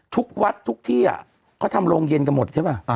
ทุกวัดทุกที่เขาทำโรงเย็นกันหมดใช่ป่ะ